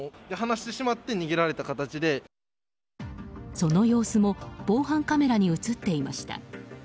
その様子も防犯カメラに映っていました。